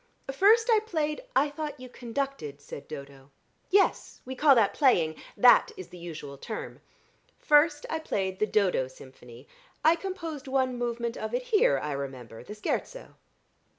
First I played " "I thought you conducted," said Dodo. "Yes; we call that playing. That is the usual term. First I played the 'Dodo' symphony. I composed one movement of it here, I remember the scherzo.